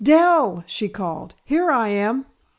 "Dell!" she called. "Here I am!"